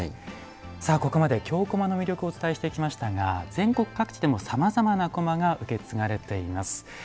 ここまで京こまの魅力をお伝えしてきましたが全国各地でも、さまざまなこまが受け継がれています。